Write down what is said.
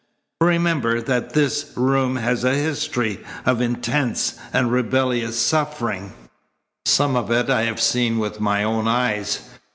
Remember that this room has a history of intense and rebellious suffering. Some of it I have seen with my own eyes.